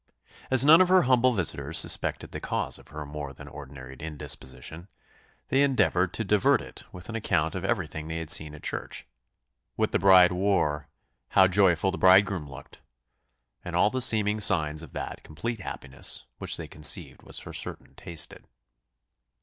As none of her humble visitors suspected the cause of her more than ordinary indisposition, they endeavoured to divert it with an account of everything they had seen at church "what the bride wore; how joyful the bridegroom looked;" and all the seeming signs of that complete happiness which they conceived was for certain tasted.